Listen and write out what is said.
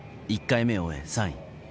１回目を終え、３位。